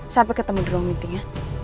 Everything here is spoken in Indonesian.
sampai ketemu di ruang meeting ya